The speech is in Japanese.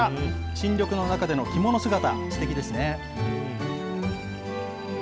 新緑の中での着物姿、すてきですね。